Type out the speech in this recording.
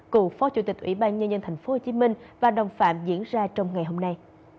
cựu phó chủ tịch ủy ban nhân dân tp hcm và đồng phạm diễn ra trong ngày hôm nay